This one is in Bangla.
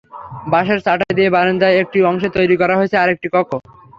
বাঁশের চাটাই দিয়ে বারান্দার একটি অংশে তৈরি করা হয়েছে আরেকটি কক্ষ।